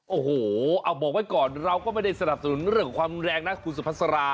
โอ้โหเอาบอกไว้ก่อนเราก็ไม่ได้สนับสนุนเรื่องความแรงนะคุณสุภาษา